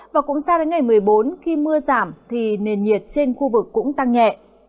và cũng sang đến ngày một mươi bốn khi mưa giảm thì nền nhiệt trên khu vực cũng tăng nhẹ